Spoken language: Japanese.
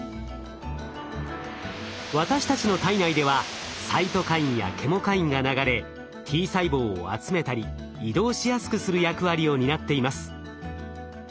私たちの体内ではサイトカインやケモカインが流れＴ細胞を集めたり移動しやすくする役割を担っています。